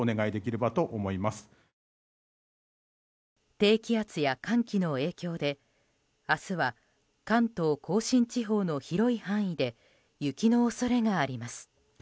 低気圧や寒気の影響で明日は関東・甲信越の広い範囲で雪の恐れがあります。